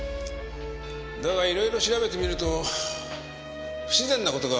だがいろいろ調べてみると不自然な事が多くてね。